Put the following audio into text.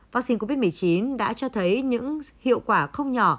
vaccine covid một mươi chín đã cho thấy những hiệu quả không nhỏ